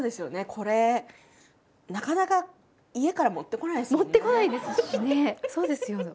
これなかなか家から持ってこないですよね。